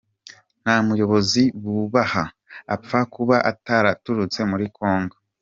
Nta muyobozi bubaha, apfa kuba ataraturutse muri Congo.